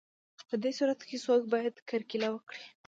په دې صورت کې څوک باید کرکیله وکړي